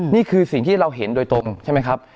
นี่คือสิ่งที่เราเห็นโดยตรงใช่ไหมครับ